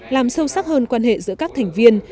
làm sâu sắc hơn quan hệ giữa các thành viên